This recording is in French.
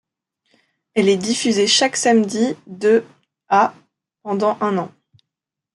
Elle est diffusée chaque samedi de à pendant un an.